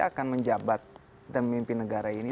akan menjabat dan memimpin negara ini